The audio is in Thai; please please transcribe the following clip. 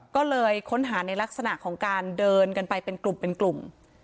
ก็เลยค้นหาในลักษณะของการเดินกันไปเป็นกลุ่มเป็นกลุ่ม